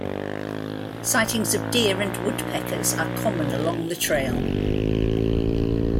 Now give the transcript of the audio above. Sightings of deer and woodpeckers are common along the trail.